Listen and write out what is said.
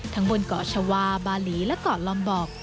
บนเกาะชาวาบาหลีและเกาะลอมบอก